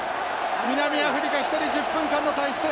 南アフリカ１人１０分間の退出。